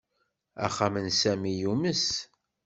Axxam n Sami yumes.